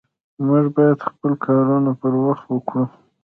مونږ بايد خپل کارونه پر وخت وکړو